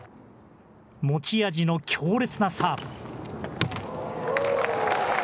持ち味の強烈なサーブ。